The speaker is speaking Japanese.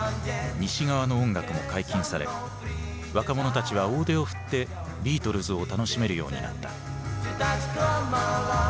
西側の音楽も解禁され若者たちは大手を振ってビートルズを楽しめるようになった。